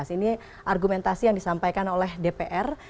ini argumentasi yang disampaikan oleh dpr